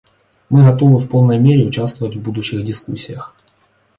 Мы готовы в полной мере участвовать в будущих дискуссиях.